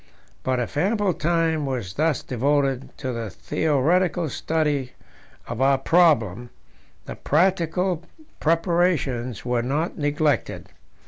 But if ample time was thus devoted to the theoretical study of our problem, the practical preparations were not neglected.